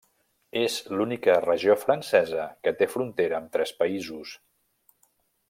És l'única regió francesa que té frontera amb tres països.